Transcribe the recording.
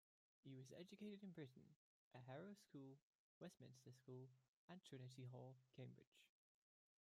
He was educated in Britain, at Harrow School, Westminster School, and Trinity Hall, Cambridge.